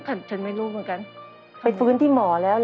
ฉันไม่รู้เหมือนกันไปฟื้นที่หมอแล้ว